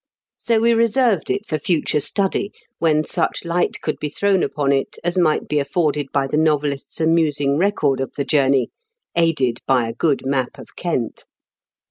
So we reserved it for future study, when such light could be thrown upon it as might be afforded by the novelist's amusing record of the journey, aided by a good map of Kent.